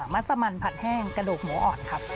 มัสมันผัดแห้งกระดูกหมูอ่อนครับ